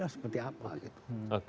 seperti apa gitu